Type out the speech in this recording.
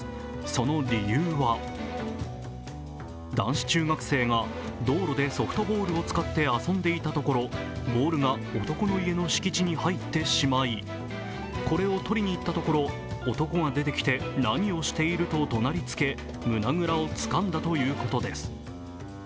その理由が男子中学生が道路でソフトボールを使って遊んでいたところボールが男の家の敷地に入ってしまい、これを取りに行ったところ、男が出てきて何をしているとどなりつけ、胸ぐらをつかんだということです。